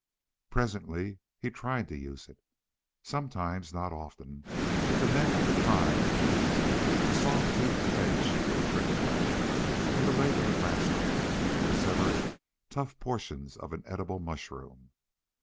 Presently he tried to use it. Sometimes not often the men of the tribe used the saw toothed edge of a cricket leg, or the leg of a grasshopper, to sever tough portions of an edible mushroom.